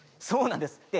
そうなんです。